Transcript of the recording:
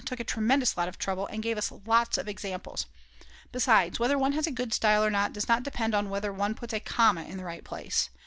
took a tremendous lot of trouble and gave us lots of examples. Besides, whether one has a good style or not does not depend upon whether one puts a comma in the right place.